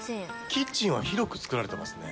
キッチンは広く作られてますね。